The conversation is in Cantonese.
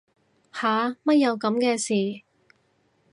吓乜有噉嘅事